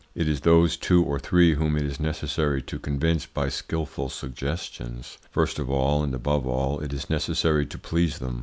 It is those two or three whom it is necessary to convince by skilful suggestions. First of all, and above all, it is necessary to please them.